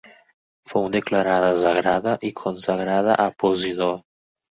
Fou declarada sagrada i consagrada a Posidó.